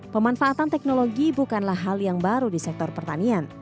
pemanfaatan teknologi bukanlah hal yang baru di sektor pertanian